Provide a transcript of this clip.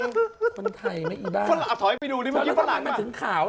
คนไทยไหมอีบ้าถอยไปดูดิเมื่อกี้ฟรั่งป่ะ